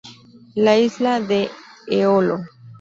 La isla de Eolo.